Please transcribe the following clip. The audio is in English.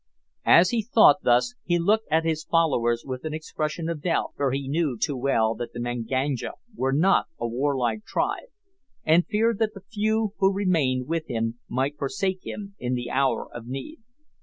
As he thought thus he looked at his followers with an expression of doubt for he knew too well that the Manganja were not a warlike tribe, and feared that the few who remained with him might forsake him in the hour of need.